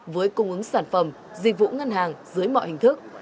với cung ứng sản phẩm dịch vụ ngân hàng dưới mọi hình thức